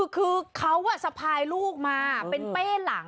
คือเขาสะพายลูกมาเป็นเป้หลัง